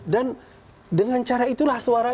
dan dengan cara itulah suara